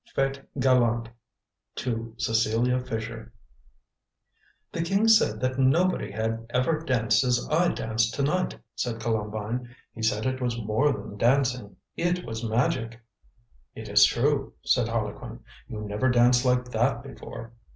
FETE GALANTE To Cecilia Fisher "The King said that nobody had ever danced as I danced to night," said Columbine. "He said it was more than dancing, it was magic." "It is true," said Harlequin, "you never danced like that before."